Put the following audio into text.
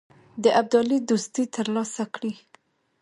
د ابدالي دوستي تر لاسه کړي.